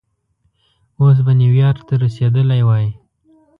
اوس به نیویارک ته رسېدلی وې.